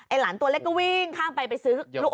ไอหลานตัวเล็กเรื่องข้างไปไปซื้อลูกอม